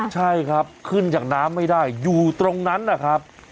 ใช่ครับขึ้นจากน้ำไม่ได้อยู่ตรงนั้นนะครับ